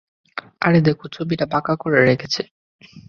আরে দেখো, ছবিটা বাঁকা করে রেখেছে।